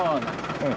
うん。